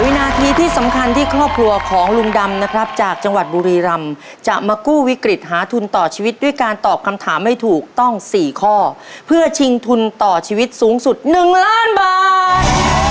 นาทีที่สำคัญที่ครอบครัวของลุงดำนะครับจากจังหวัดบุรีรำจะมากู้วิกฤตหาทุนต่อชีวิตด้วยการตอบคำถามให้ถูกต้อง๔ข้อเพื่อชิงทุนต่อชีวิตสูงสุด๑ล้านบาท